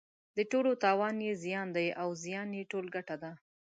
د ټولو تاوان یې زیان دی او زیان یې ټول ګټه ده.